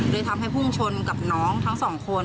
ทำให้พุ่งชนกับน้องทั้งสองคน